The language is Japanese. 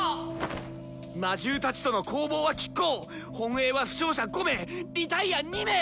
魔獣たちとの攻防はきっ抗本営は負傷者５名リタイア２名！